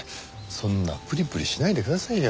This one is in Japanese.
そんなプリプリしないでくださいよ。